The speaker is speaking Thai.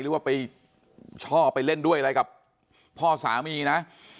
หรือว่าไปชอบไปเล่นด้วยอะไรกับพ่อสามีนะ